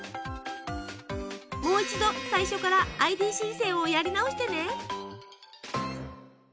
もう一度最初からＩＤ申請をやり直してね。